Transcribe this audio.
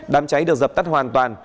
đám cháy được dập tắt hoàn toàn